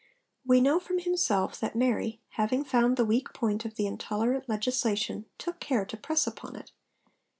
We know from himself that Mary, having found the weak point of the intolerant legislation, took care to press upon it.